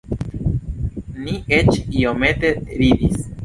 Ni eĉ iomete ridis.